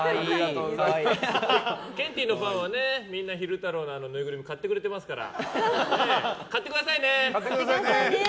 ケンティーのファンはみんな昼太郎のぬいぐるみ買ってくれていますから。